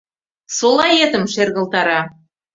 Солаэтым шергылтара.